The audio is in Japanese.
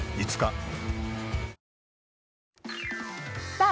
さあ